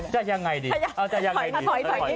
จะยังไงดีเอ้าจะยังไงดี